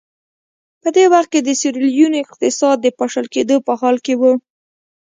په دې وخت کې د سیریلیون اقتصاد د پاشل کېدو په حال کې و.